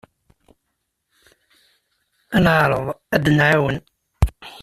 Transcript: Ad neɛreḍ ad d-nɛawen.